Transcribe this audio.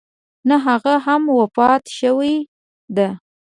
نه هغه هم وفات شوې ده.